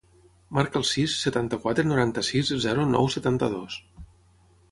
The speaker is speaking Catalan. Marca el sis, setanta-quatre, noranta-sis, zero, nou, setanta-dos.